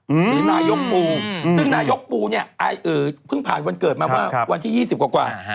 หรือนายกปูซึ่งนายกปูเนี่ยเพิ่งผ่านวันเกิดมาเมื่อวันที่๒๐กว่า